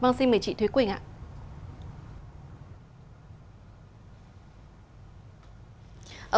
vâng xin mời chị thúy quỳnh ạ